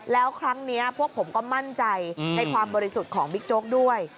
แล้วครั้งนี้พวกผมก็มั่นใจในความบริสุทธิ์ของบิ๊กโจ๊กด้วย